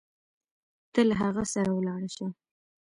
ته له هغه سره ولاړه شه.